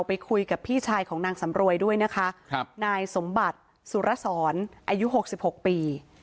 ไปคุยกับพี่ชายของนางสำรวยด้วยนะคะครับนายสมบัติสุรสรอายุ๖๖ปี